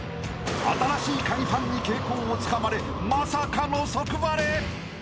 ［『新しいカギ』ファンに傾向をつかまれまさかの即バレ！］